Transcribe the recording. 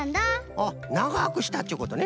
あっながくしたっちゅうことね。